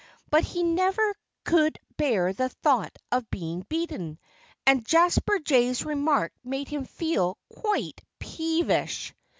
But he never could bear the thought of being beaten. And Jasper Jay's remark made him feel quite peevish.